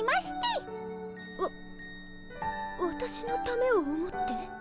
わわたしのためを思って？